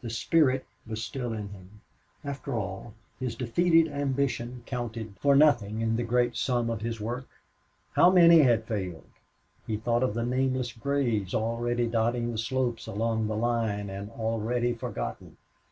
The spirit was still in him. After all, his defeated ambition counted for nothing in the great sum of this work. How many had failed! He thought of the nameless graves already dotting the slopes along the line and already forgotten.